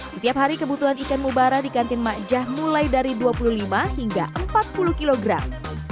setiap hari kebutuhan ikan mubara di kantin makjah mulai dari dua puluh lima hingga empat puluh kilogram